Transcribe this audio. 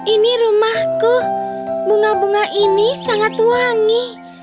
ini rumahku bunga bunga ini sangat wangi